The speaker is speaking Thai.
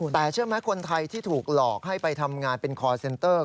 แต่เชื่อไหมคนไทยที่ถูกหลอกให้ไปทำงานเป็นคอร์เซ็นเตอร์